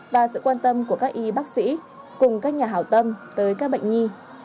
và sự quan tâm của các y bác sĩ cùng các nhà hào tâm tới các bệnh nhi